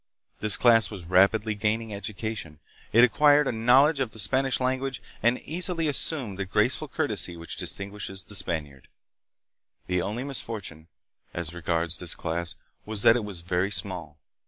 This class was rapidly gaining education. It acquired a knowledge of the Spanish language, and easily assumed that graceful courtesy which distinguishes the Spaniard. The only misfortune, as regards this class, was that it was very small.